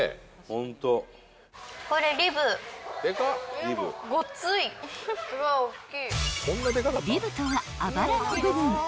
［リブとはあばらの部分］